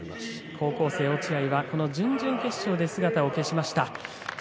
高校生の落合はこの準々決勝で姿を消しました。